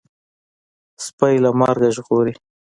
سپى له مرګه ژغوري.